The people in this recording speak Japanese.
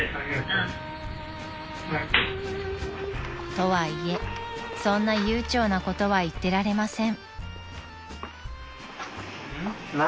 ［とはいえそんな悠長なことは言ってられません］